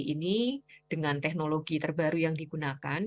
ini dengan teknologi terbaru yang digunakan